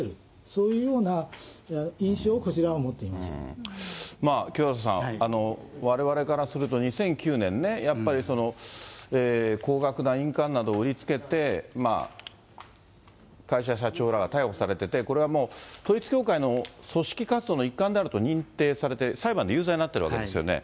そういうような印象をこちらは持清原さん、われわれからすると、２００９年ね、やっぱり高額な印鑑などを売りつけて、会社社長らが逮捕されてて、これはもう、統一教会の組織活動の一環であると認定されて、裁判で有罪になっているわけですよね。